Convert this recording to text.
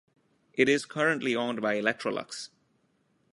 It is currently owned by Electrolux.